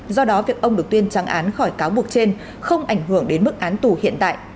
do đó việc ông được tuyên trăng án khỏi cáo buộc trên không ảnh hưởng đến mức án tù hiện tại